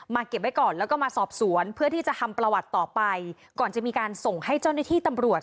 เก็บไว้ก่อนแล้วก็มาสอบสวนเพื่อที่จะทำประวัติต่อไปก่อนจะมีการส่งให้เจ้าหน้าที่ตำรวจ